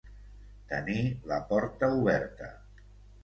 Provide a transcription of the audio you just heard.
Tenir la porta oberta.